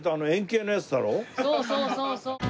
そうそうそうそう。